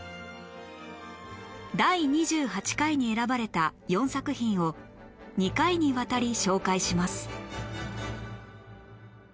第２８回に選ばれた４作品を２回にわたり紹介します